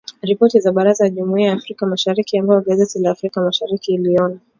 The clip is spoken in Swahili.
Ripoti ya Baraza la Jumuiya ya Afrika Mashariki ambayo gazeti la Afrika Mashariki iliiona.